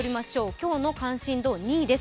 今日の関心度２位です。